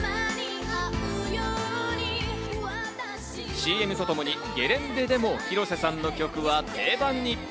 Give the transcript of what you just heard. ＣＭとともにゲレンデでも広瀬さんの曲は定番に。